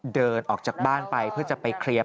เดินออกจากบ้านไปเพื่อจะไปเคลียร์